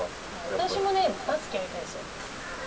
私もバスケやりたいですよ。